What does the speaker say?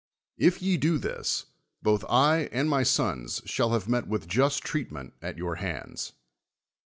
If ye do this, both I and my sons shall have met with just treatment at your hands.